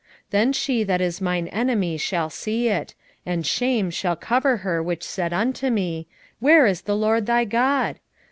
7:10 Then she that is mine enemy shall see it, and shame shall cover her which said unto me, Where is the LORD thy God?